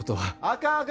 あかん